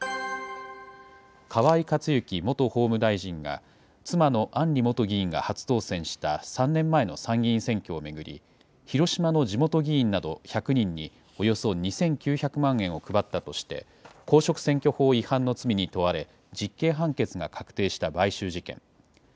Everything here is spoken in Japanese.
河井克行元法務大臣が、妻の案里元議員が初当選した３年前の参議院選挙を巡り、広島の地元議員など１００人に、およそ２９００万円を配ったとして、公職選挙法違反の罪に問われ、実刑判決が確定した買収事件。